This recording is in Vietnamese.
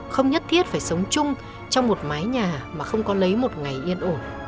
không nhất thiết phải sống chung trong một mái nhà mà không có lấy một ngày yên ổn